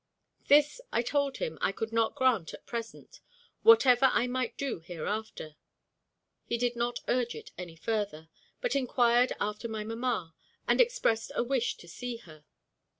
This, I told him, I could not grant at present, whatever I might do hereafter. He did not urge it any further, but inquired after my mamma, and expressed a wish to see her.